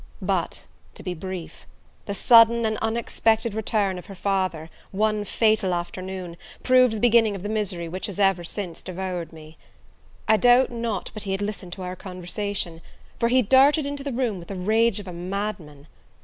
But, to be brief, the sudden and unexpected return of her father, one fatal afternoon, proved the beginning of the misery which has ever since devoured me. I doubt not but he had listened to our conversation; for he darted into the room with the rage of a madman.